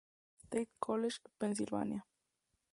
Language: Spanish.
Murió en State College, Pensilvania.